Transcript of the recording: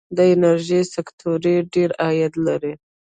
د انرژۍ سکتور ډیر عاید لري.